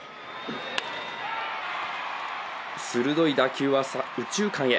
鋭い打球は右中間へ。